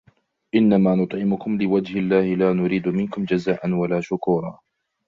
إنما نطعمكم لوجه الله لا نريد منكم جزاء ولا شكورا